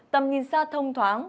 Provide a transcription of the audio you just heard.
tầm nhìn xa thông thoáng